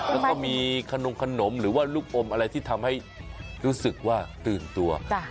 แล้วก็มีขนมขนมหรือว่าลูกอมอะไรที่ทำให้รู้สึกว่าตื่นตัว